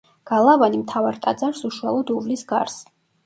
გალავანი მთავარ ტაძარს უშუალოდ უვლის გარს.